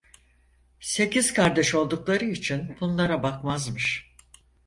Sekiz kardeş oldukları için bunlara bakmazmış.